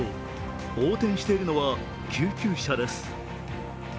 横転しているのは救急車です。